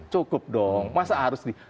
cukup dong masa harus